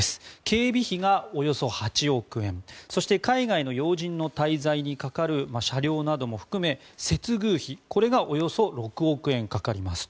警備費がおよそ８億円そして海外の要人の滞在にかかる車両なども含め接遇費これがおよそ６億円かかります。